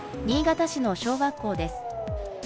新潟市の小学校です。